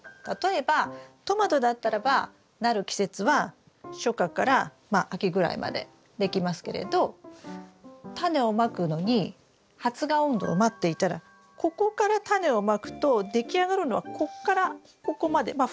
例えばトマトだったらばなる季節は初夏からまあ秋ぐらいまでできますけれどタネをまくのに発芽温度を待っていたらここからタネをまくとでき上がるのはここからここまで。